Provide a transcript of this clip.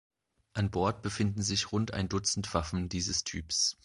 An Bord befinden sich rund ein Dutzend Waffen dieses Typs.